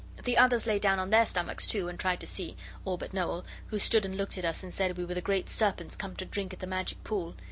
The others lay down on their stomachs too and tried to see, all but Noel, who stood and looked at us and said we were the great serpents come down to drink at the magic pool.